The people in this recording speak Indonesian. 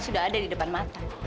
sudah ada di depan mata